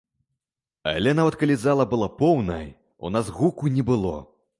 Але нават калі зала была поўнай, у нас гуку не было.